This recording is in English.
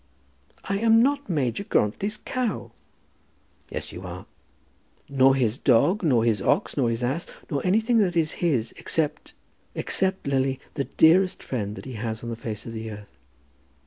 "I am not Major Grantly's cow." "Yes, you are." "Nor his dog, nor his ox, nor his ass, nor anything that is his, except except, Lily, the dearest friend that he has on the face of the earth.